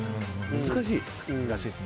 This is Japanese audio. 難しい。